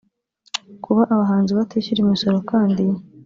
Kuba abahanzi batishyura imisoro kandi